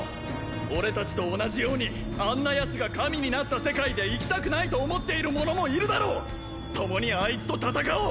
俺達と同じようにあんなヤツが神になった世界で生きたくないと思っている者もいるだろともにあいつと戦おう！